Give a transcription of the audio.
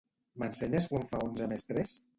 M'ensenyes quant fa onze més tres?